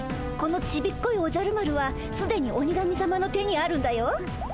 このちびっこいおじゃる丸はすでに鬼神さまの手にあるんだよ。